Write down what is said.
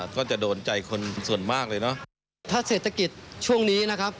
ก็จะโดนใจคนส่วนมากเลยเนอะถ้าเศรษฐกิจช่วงนี้นะครับ